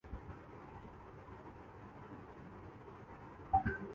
خواتین برقعہ پہنتیں یا نہ پہنتیں۔